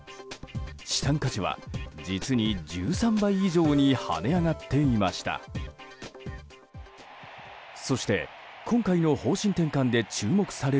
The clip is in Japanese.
資産価値は、実に１３倍以上に跳ね上がっていました。